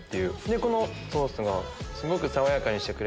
このソースがすごく爽やかにしてくれて。